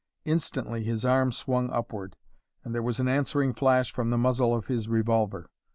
Instantly his arm swung upward, and there was an answering flash from the muzzle of his revolver.